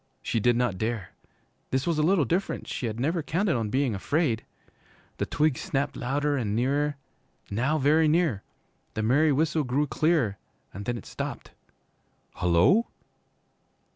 She did not dare. This was a little different, she had never counted on being afraid. The twigs snapped louder and nearer now very near. The merry whistle grew clearer, and then it stopped. 'Hullo!'